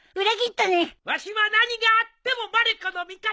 わしは何があってもまる子の味方じゃ。